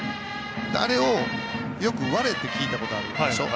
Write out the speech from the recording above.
あれを、よく割れって聞いたことがあるでしょ。